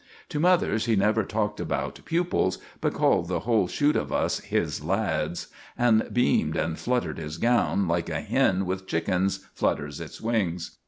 To mothers he never talked about "pupils," but called the whole shoot of us "his lads," and beamed and fluttered his gown, like a hen with chickens flutters its wings.